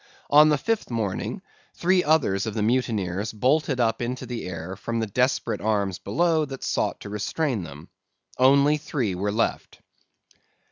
On the fifth morning three others of the mutineers bolted up into the air from the desperate arms below that sought to restrain them. Only three were left.